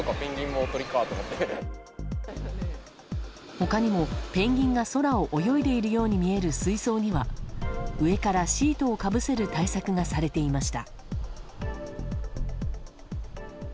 他にもペンギンが空を泳いでいるように見える水槽には上からシートをかぶせる対策がされていました。